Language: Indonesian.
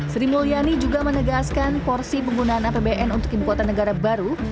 sri mulyani juga menegaskan porsi penggunaan apbn untuk ibu kota negara baru